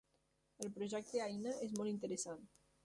El projecte Aina és molt interessant.